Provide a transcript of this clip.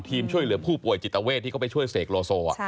ช่วยเหลือผู้ป่วยจิตเวทที่เขาไปช่วยเสกโลโซ